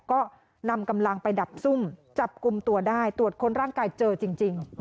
ก็นำกำลังไปดับซุ่มจับกลุ่มตัวได้ตรวจค้นร่างกายเจอจริง